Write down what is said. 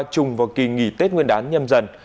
trùng vào kỳ nghỉ tết nguyên đán nhầm dần